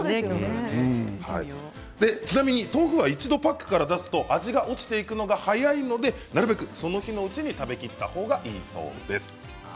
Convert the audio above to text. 豆腐は一度パックから出すと味が落ちていくのが早いのでなるべくその日のうちに食べきったほうがいいそうです。